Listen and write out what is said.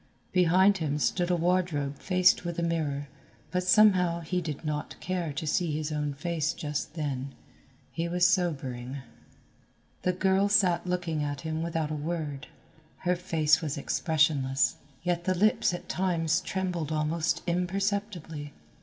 Behind him stood a wardrobe faced with a mirror, but somehow he did not care to see his own face just then. He was sobering. The girl sat looking at him without a word. Her face was expressionless, yet the lips at times trembled almost imperceptibly.